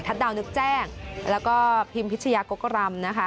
ดาวนึกแจ้งแล้วก็พิมพิชยากกรำนะคะ